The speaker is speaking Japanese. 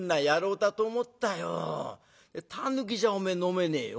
タヌキじゃおめえ飲めねえよ。